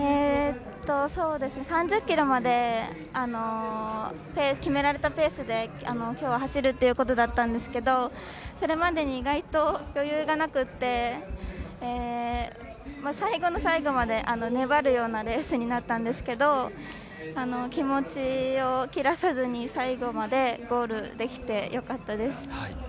３０ｋｍまで決められたペースで今日は走るということだったんですけれど、それまでに意外と余裕がなくて、最後の最後まで粘るようなレースになったんですけれど、気持ちを切らさずに最後までゴールできてよかったです。